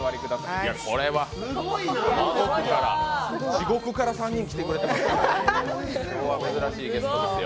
地獄から３人来てくれてますから、今日は珍しいゲストですよ。